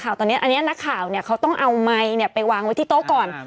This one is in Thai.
อันนี้นักข่าวต้องเอาไมค์ไปวางไว้ที่โต๊ะก่อน